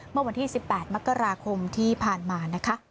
เมื่อวันที่๑๘มกราคมที่ผ่านมานะคะ